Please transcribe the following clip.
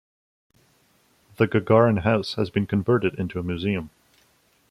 The Gagarin house has been converted into a museum.